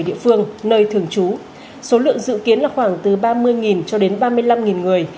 địa phương nơi thường trú số lượng dự kiến là khoảng từ ba mươi cho đến ba mươi năm người